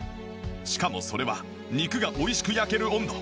しかもそれは肉が美味しく焼ける温度。